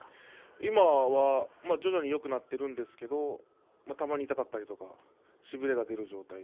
今は徐々によくなっていますがたまに痛かったりとかしびれが出る状態。